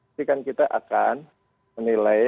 ini kan kita akan menilai